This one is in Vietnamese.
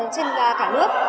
trên cả nước